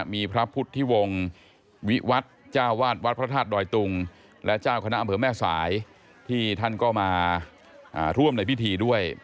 มีพระพุทธิวงศ์วิวัฒน์จ้าวาดวัดพระธาตุดอยตุงและเจ้าคณะอำเภอแม่สายที่ท่านก็มาร่วมในพิธีด้วย